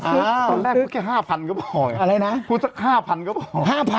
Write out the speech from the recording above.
แค่๕๐๐๐ก็พออะไรนะแค่๕๐๐๐ก็พอ